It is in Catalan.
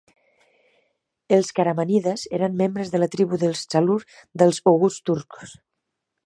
Els Karamanides eren membres de la tribu dels Salur dels oghuz turcs.